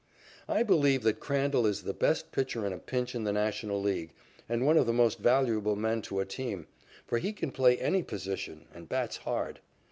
I believe that Crandall is the best pitcher in a pinch in the National League and one of the most valuable men to a team, for he can play any position and bats hard.